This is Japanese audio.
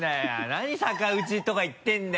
何逆打ちとか言ってるんだよ。